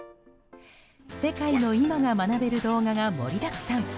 世界の今が学べる動画が盛りだくさん。